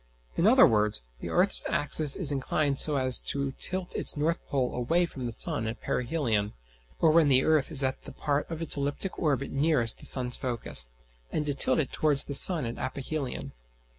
In other words, the earth's axis is inclined so as to tilt its north pole away from the sun at perihelion, or when the earth is at the part of its elliptic orbit nearest the sun's focus; and to tilt it towards the sun at aphelion.